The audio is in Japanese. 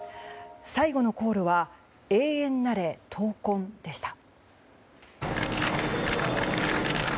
最後のコールは永遠なれ、闘魂でした。